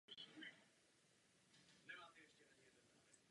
Pojem "Černé nohy" začal být používán krátce před získáním Alžírské nezávislosti.